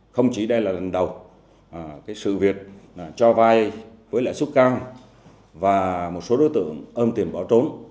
không chỉ đây là lần đầu sự việc cho vai với lại xuất căng và một số đối tượng ôm tiền bỏ trốn